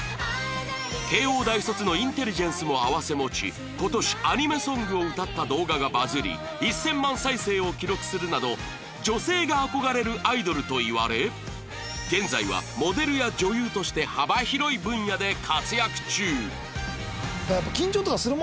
慶應大卒のインテリジェンスも併せ持ち今年アニメソングを歌った動画がバズり１０００万再生を記録するなど女性が憧れるアイドルといわれ現在はモデルや女優として幅広い分野で活躍中